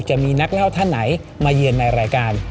จะมีนักเล่าท่านไหนมาเยือนในรายการ